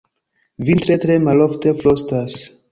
Vintre tre malofte frostas.